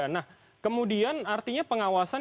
nah kemudian artinya pengawasan